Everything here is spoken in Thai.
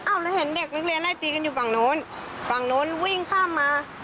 แล้วเห็นเด็กนักเรียนไล่ตีกันอยู่ฝั่งนู้นฝั่งนู้นวิ่งข้ามมา